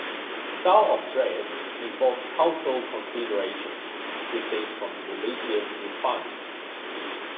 Style of dress involves cultural considerations distinct from religious requirements.